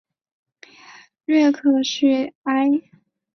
瑞克叙埃。